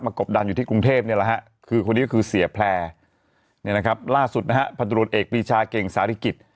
กบดันอยู่ที่กรุงเทพนี่แหละฮะคือคนนี้ก็คือเสียแพร่เนี่ยนะครับล่าสุดนะฮะพันธุรกิจเอกปีชาเก่งสาริกิจ